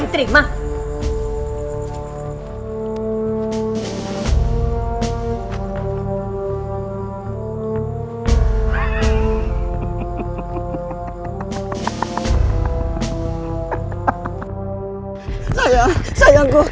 ini saya berikan bayarannya tapi separuh dulu